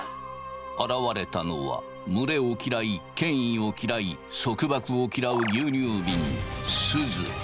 現れたのは群れを嫌い権威を嫌い束縛を嫌う牛乳びんすず。